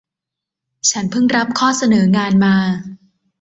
ฉันพึ่งรับข้อเสนองานมา